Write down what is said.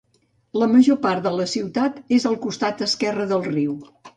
La major part de la ciutat és al costat esquerre del riu.